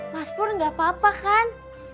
mas pur nggak apa apa kan